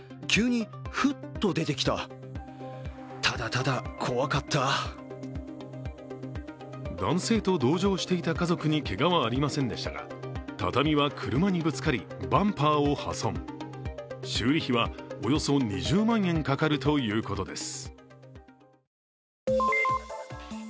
男性は男性と同乗していた家族にけがはありませんでしたが畳は車にぶつかり、バンパーを破損修理費はおよそ２０万円かかるということです。